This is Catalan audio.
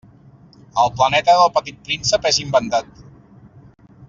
El planeta del Petit Príncep és inventat.